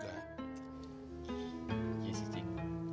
gak gini sih cik